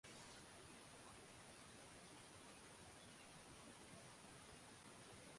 Natumai kuwa na habari hii unaweza kujifunza